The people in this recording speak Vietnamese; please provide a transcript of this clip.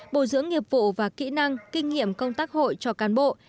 bồi dưỡng nghiệp vụ và kỹ năng kinh nghiệm công tác hội cho cán bộ